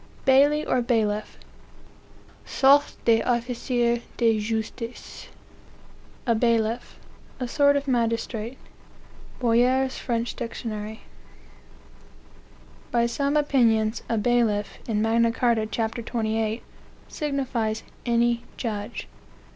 "Baili, or Bailiff. (Sorte d'officier de justice.) A bailiff; a sort of magistrate." Boyer's French Dict. "By some opinions, a bailiff, in Magna Carta, ch. 28, signifies any judge."